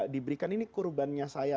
diberikan ini korbannya saya